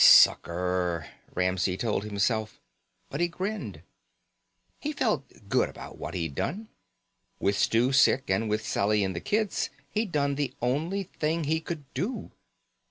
Sucker, Ramsey told himself. But he grinned. He felt good about what he'd done. With Stu sick, and with Sally and the kids, he'd done the only thing he could do.